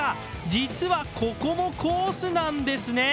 実はここもコースなんですね。